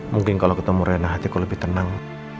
mungkin kalau ketemu rena hatiku lebih tenang